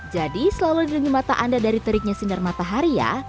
jadi selalu lindungi mata anda dari teriknya sinar matahari ya